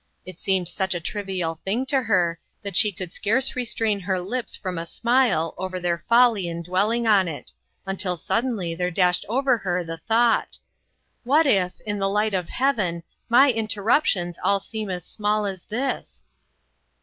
It seemed such a trivial thing to her, that she could scarce restrain her lips from a smile over their folly in dwelling on it, until suddenly there dashed over her the thought :" What if, in the light of Heaven, my in terruptions all seem as small as this